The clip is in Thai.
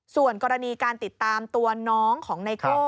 ส่วนกรณีการติดตามตัวน้องของไนโก้